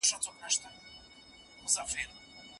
خلګو د خپلو نظریو په اړه بحث کاوه.